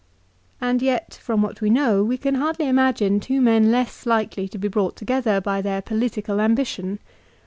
And yet, from what we know, we can hardly imagine two men less likely to be brought together by their political ambi tion.